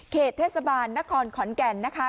เทศบาลนครขอนแก่นนะคะ